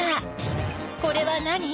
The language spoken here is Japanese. これは何？